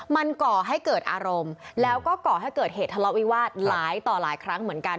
มันก่อให้เกิดอารมณ์แล้วก็ก่อให้เกิดเหตุทะเลาะวิวาสหลายต่อหลายครั้งเหมือนกัน